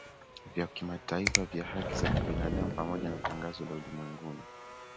vya kimataifa vya haki za kibinadamu pamoja na Tangazo la Ulimwenguni